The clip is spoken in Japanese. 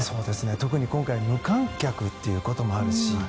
特に今回無観客ということもあるし。